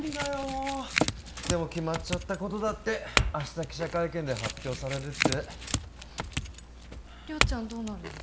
もうでも決まっちゃったことだって明日記者会見で発表されるって亮ちゃんどうなるの？